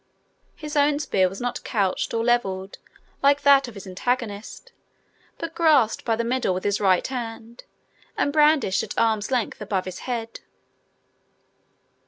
His own long spear was not couched or levelled like that of his antagonist, but grasped by the middle with his right hand, and brandished at arm's length above his head.